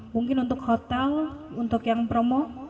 mungkin untuk hotel untuk yang promo